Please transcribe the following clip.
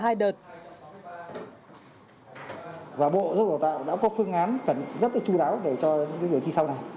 và bộ giáo dục và đào tạo đã có phương án rất chú đáo để cho những người thi sau này